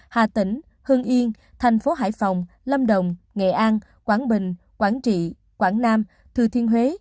hà tĩnh hương yên thành phố hải phòng lâm đồng nghệ an quảng bình quảng trị quảng nam thừa thiên huế